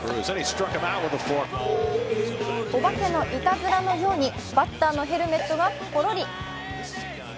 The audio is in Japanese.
お化けのいたずらのように、バッターのヘルメットがポロリ。